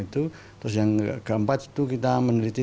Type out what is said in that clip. terus yang keempat itu kita meneliti